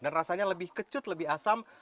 dan rasanya lebih kecut lebih asam